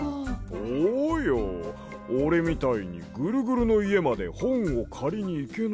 おうよおれみたいにぐるぐるのいえまでほんをかりにいけない